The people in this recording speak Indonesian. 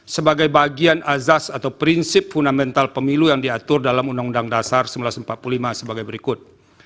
sebagai bagian azas atau prinsip fundamental pemilu yang diatur dalam undang undang dasar seribu sembilan ratus empat puluh lima sebagai berikut